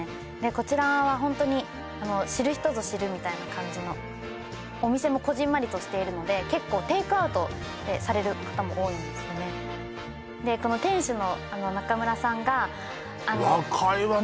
こちらはホントに知る人ぞ知るみたいな感じのお店もこぢんまりとしているので結構テイクアウトされる方も多いんですでこの店主の中村さんが若いわね